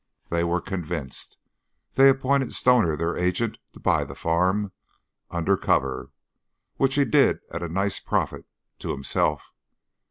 They were convinced. They appointed Stoner their agent to buy the farm, under cover, which he did at a nice profit to himself.